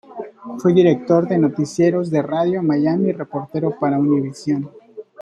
Fue director de Noticieros de Radio Miami y reportero para Univisión.